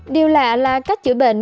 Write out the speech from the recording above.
điều lạ là cách chữa bệnh